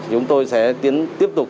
chúng tôi sẽ tiếp tục